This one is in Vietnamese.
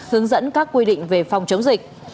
hướng dẫn các quy định về phòng chống dịch